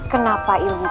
kenapa ilmu pelet ini